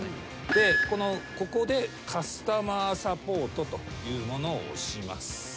でここでカスタマーサポートというものを押します。